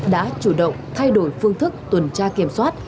đã chủ động thay đổi phương thức tuần tra kiểm soát